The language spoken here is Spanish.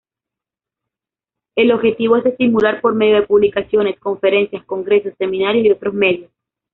El objetivo es estimular por medio de publicaciones, conferencias, congresos, seminarios y otros medios.